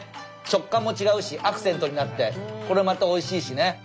食感も違うしアクセントになってこれまたおいしいしね。